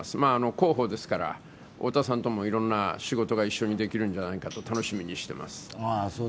広報ですから、太田さんともいろんな仕事をできると楽しみにしています。